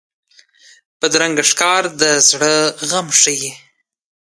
بدرنګه ښکاره د زړه غم ښيي